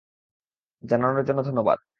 জানানোর জন্য ধন্যবাদ।